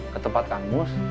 ke tempat kang mus